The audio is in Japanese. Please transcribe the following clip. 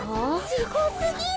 すごすぎる。